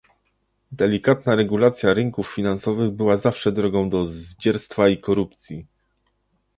Delikatna regulacja rynków finansowych była zawsze drogą do zdzierstwa i korupcji